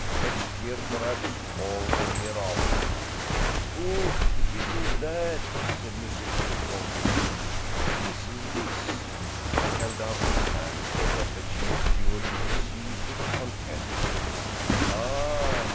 Next year, perhaps; or the year after " "Oh, it isn't that," said Monsieur Pettipon miserably. "It is this." He held out his hand so that the chief steward could see its contents. "Ah?"